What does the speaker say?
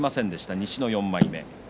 西の４枚目。